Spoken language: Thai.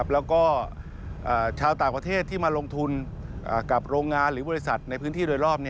แล้วก็ชาวต่างประเทศที่มาลงทุนกับโรงงานหรือบริษัทในพื้นที่โดยรอบ